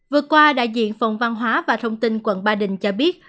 vừa qua đại diện phòng văn hóa và thông tin quận ba đình cho biết